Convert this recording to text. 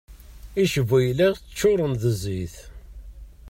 Icbuyla ččuren d zzit.